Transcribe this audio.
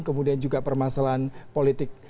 kemudian juga permasalahan politik